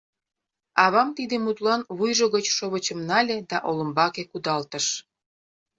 Авам тиде мутлан вуйжо гыч шовычым нале да олымбаке кудалтыш.